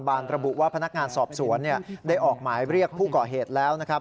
บานระบุว่าพนักงานสอบสวนได้ออกหมายเรียกผู้เกาะเหตุแล้ว